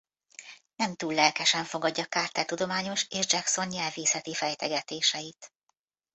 Nem túl lelkesen fogadja Carter tudományos és Jackson nyelvészeti fejtegetéseit.